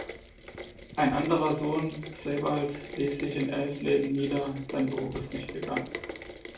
Ein anderer Sohn, Sebald, ließ sich in Eisleben nieder, sein Beruf ist nicht bekannt.